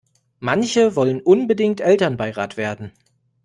Manche wollen unbedingt Elternbeirat werden.